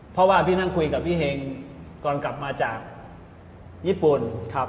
เพราะว่าพี่นั่งคุยกับพี่เฮงก่อนกลับมาจากญี่ปุ่น